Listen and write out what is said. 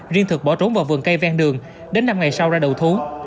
riêng thực bỏ trốn vào vườn cây ven đường đến năm ngày sau ra đầu thú